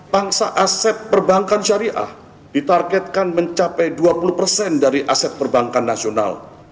pangsa aset perbankan syariah ditargetkan mencapai dua puluh persen dari aset perbankan nasional